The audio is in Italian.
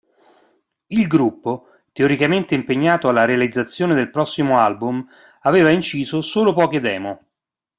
Il gruppo, teoricamente impegnato alla realizzazione del prossimo album, aveva inciso solo poche demo.